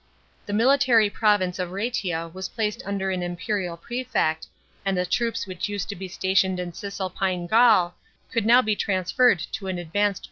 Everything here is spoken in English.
The military province of Rsetia was placed under an imperial prefect, and the troops which used to be stationed in Cisalpine Gaul could now be transferred to an advanced position.